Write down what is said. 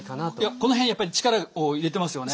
この辺やっぱり力を入れてますよね。